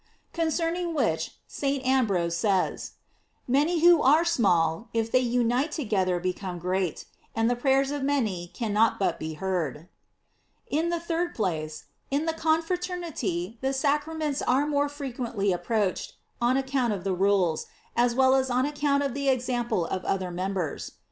"* Con cerning which St. Ambrose says: Many who are small, if they unite together become great; and the prayers of many cannot but be heard, f In the third place, in the confraternity the sacra ments are more frequently approached, on account of the rules, as well as on account of the example of other members.